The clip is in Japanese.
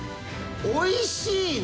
おいしいの？